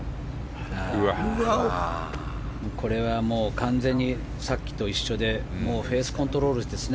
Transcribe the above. これはもう完全にさっきと一緒でフェースコントロールですね。